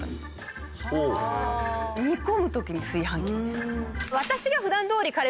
煮込む時に炊飯器。